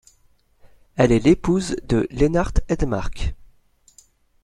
Elle est l'épouse de Lennart Hedmark.